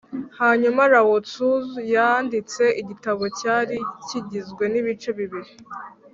hanyuma lao tzu yanditse igitabo cyari kigizwe n’ibice bibiri